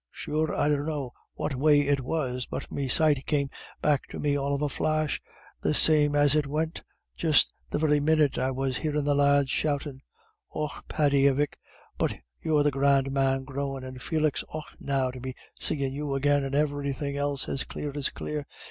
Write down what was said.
Sure I dunno what way it was, but me sight came back to me all of a flash, the same as it went, just the very minyit I was hearin' the lads shoutin'. Och, Paddy, avic, but you're the grand man grown; and Felix, och now, to be seein' you agin, and everythin' else as clear as clear.